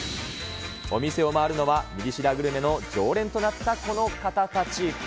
お店を回るのは、ミリ知らグルメの常連となったこの方たち。